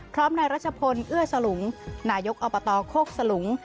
พร้อมนายรัชพลเอื้อสลุงนายกอบตโคกสลุง